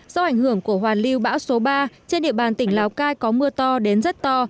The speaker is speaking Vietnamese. do ảnh hưởng của hoàn lưu bão số ba trên địa bàn tỉnh lào cai có mưa to đến rất to